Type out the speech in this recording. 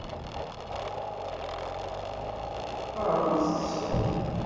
Ԑreḍ ad teṭṭseḍ.